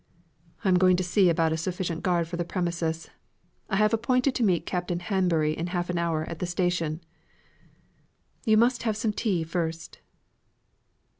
"I'm going to see about a sufficient guard for the premises. I have appointed to meet Captain Hanbury in half an hour at the station." "You must have some tea first."